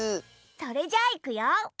それじゃあいくよ。